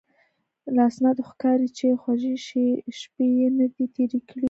له اسنادو ښکاري چې خوږې شپې یې نه دي تېرې کړې.